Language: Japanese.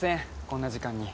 こんな時間に。